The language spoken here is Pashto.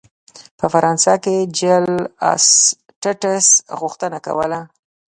په فرانسه کې جل اسټټس غوښتنه کوله.